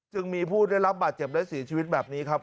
จึงมีผู้ได้รับบาดเจ็บและเสียชีวิตแบบนี้ครับ